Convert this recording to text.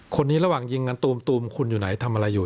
คนนี้ระหว่างยิงกันตูมคุณอยู่ไหนทำอะไรอยู่